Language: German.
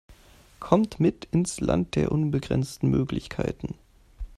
Kommt mit ins Land der unbegrenzten Möglichkeiten!